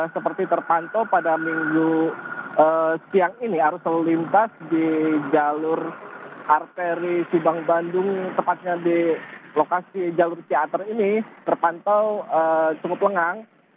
seperti terpantau pada minggu siang ini arus lalu lintas di jalur arteri subang bandung tepatnya di lokasi jalur ciater ini terpantau cukup lengang